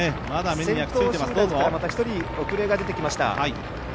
先頭集団からまた一人遅れが出てきました。